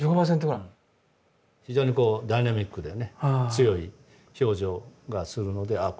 非常にダイナミックでね強い表情がするのでああ